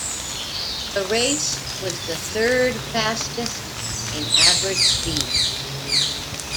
The race was the third fastest in average speed.